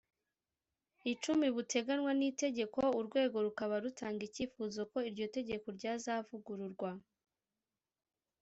icumi buteganywa n itegeko urwego rukaba rutanga icyifuzo ko iryo tegeko ryazavugururwa